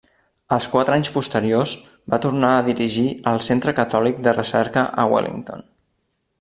Els quatre anys posteriors va tornar a dirigir el Centre Catòlic de Recerca a Wellington.